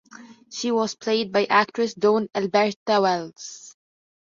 She was played by actress Dawn Elberta Wells.